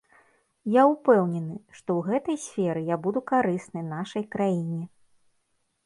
Я ўпэўнены, што ў гэтай сферы я буду карысны нашай краіне.